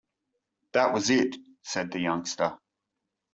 “That was it,” said the youngster.